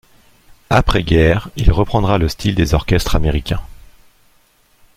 Après-guerre, il reprendra le style des orchestres américains.